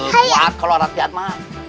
kuat kalau ada piatma